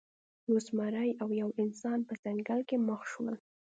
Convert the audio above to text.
یو زمری او یو انسان په ځنګل کې مخ شول.